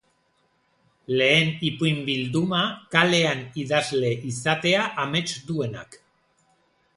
Lehen ipuin bilduma kalean idazle izatea amets duenak.